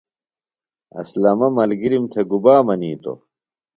اسلمہ ملگرِم تھےۡ گُبا منِیتوۡ ؟